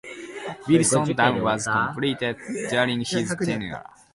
Wilson Dam was completed during his tenure.